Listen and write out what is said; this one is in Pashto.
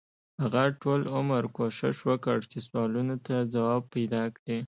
هغه ټول عمر کوښښ وکړ چې سوالونو ته ځواب پیدا کړي.